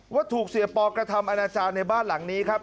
ว่าถูกเสียปอกระทำอนาจารย์ในบ้านหลังนี้ครับ